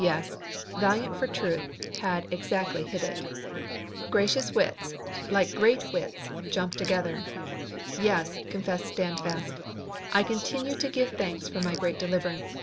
Yes; Valiant for truth had exactly hit it. Gracious wits, like great wits, jump together. "Yes," confessed Standfast, "I continue to give thanks for my great deliverance."